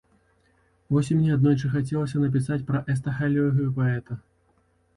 Вось і мне аднойчы хацелася напісаць пра эсхаталогію паэта.